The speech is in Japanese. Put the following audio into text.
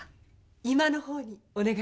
居間のほうにお願いできます？